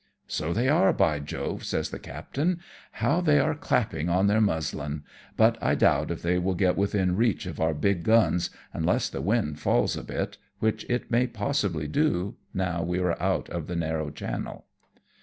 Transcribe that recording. " So they are, by Jove," says the captain ;" how they are clapping on their muslin, but I doubt if they will get within reach of our big guns, unless the wind falls a bit, which it may possibly do, now we are out of the narrow channel."